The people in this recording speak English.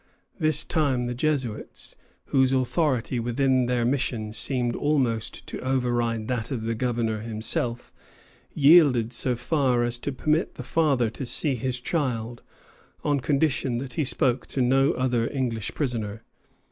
This time the Jesuits, whose authority within their mission seemed almost to override that of the governor himself, yielded so far as to permit the father to see his child, on condition that he spoke to no other English prisoner.